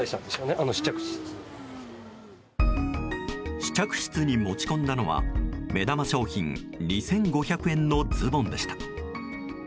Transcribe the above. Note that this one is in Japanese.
試着室に持ち込んだのは目玉商品２５００円のズボンでした。